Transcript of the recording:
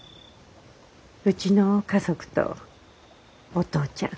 うちの家族とお父ちゃん。